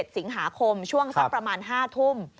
สิงหาคมช่วงสักประมาณ๕ทุ่ม